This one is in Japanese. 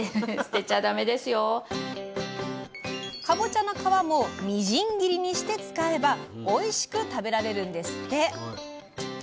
かぼちゃの皮もみじん切りにして使えばおいしく食べられるんですって！